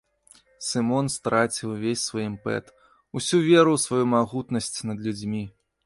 Сымон страціў увесь свой імпэт, усю веру ў сваю магутнасць над людзьмі.